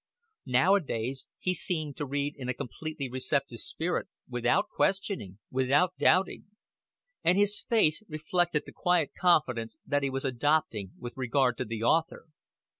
Nowadays he seemed to read in a completely receptive spirit, without questioning, without doubting; and his face reflected the quiet confidence that he was adopting with regard to the author.